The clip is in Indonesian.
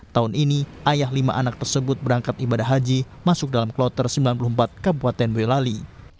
tahun ini ayah lima anak tersebut berangkat ibadah haji masuk dalam kloter sembilan puluh empat kabupaten boyolali